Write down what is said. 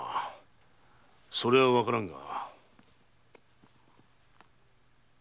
それはわからんが。